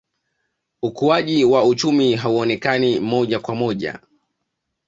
ukuaji wa uchumi haukuonekana moja kwa moja